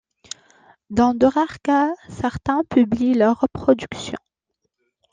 Dans de rares cas, certains publient leurs productions.